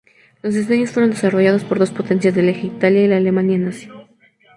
Los diseños fueron desarrollados por dos potencias del Eje, Italia y la Alemania Nazi.